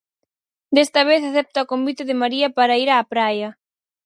Desta vez acepta o convite de María para ir á praia.